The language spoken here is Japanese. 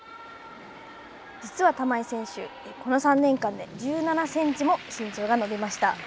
実は、玉井選手この３年間で１７センチも身長が伸びました。